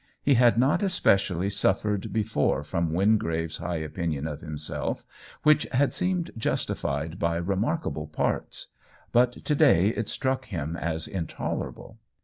He had not especially suf fered before from Wingrave's high opinion of himself, which had seemed justified by remarkable parts ; but to day it struck him as intolerable.